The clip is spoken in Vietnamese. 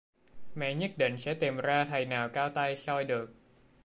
mẹ nhất định sẽ tìm ra thầy nào cao tay soi được